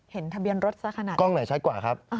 เห็นทะเบียนรถซะขนาดนี้กล้องไหนชัดกว่าครับ